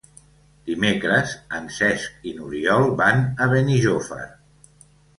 Dimecres en Cesc i n'Oriol van a Benijòfar.